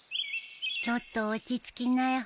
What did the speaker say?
ちょっと落ち着きなよ。